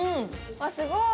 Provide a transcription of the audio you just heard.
わっすごい。